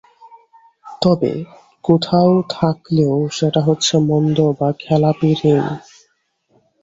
তবে কোথাও থাকলেও সেটা হচ্ছে মন্দ বা খেলাপি ঋণ।